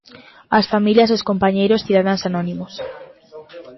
As familias, os compañeiros, cidadáns anónimos.